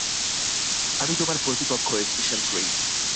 আমি তোমার প্রতিপক্ষ, স্পেশাল-গ্রেড।